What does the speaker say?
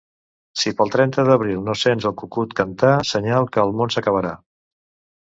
Si pel trenta d'abril no sents el cucut cantar, senyal que el món s'acabarà.